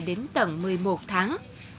đến tầng một mươi một tháng